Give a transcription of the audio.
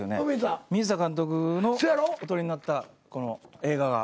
水田監督のお撮りになったこの映画が。